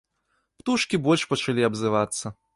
Птушкі больш пачалі абзывацца.